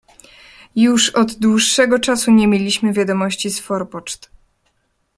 "Już od dłuższego czasu nie mieliśmy wiadomości z forpoczt."